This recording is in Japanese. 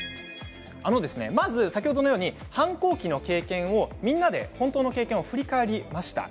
まず先ほどのように反抗期の経験をみんなで本当の経験を振り返りました。